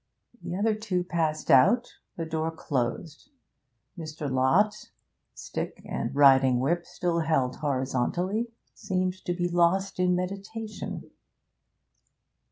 The other two passed out; the door closed. Mr. Lott, stick and riding whip still held horizontally, seemed to be lost in meditation.